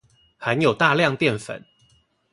含有大量澱粉